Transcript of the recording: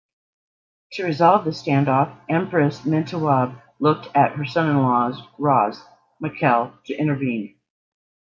To resolve the standoff, Empress Mentewab looked to her son-in-law "Ras" Mikael to intervene.